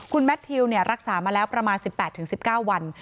คุณแมททิวรักษามาแล้วประมาณ๑๘๑๙วัน